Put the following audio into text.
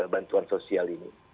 bantuan sosial ini